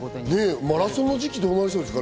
マラソンの時期はどうなりそうですか？